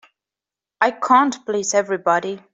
I can't please everybody.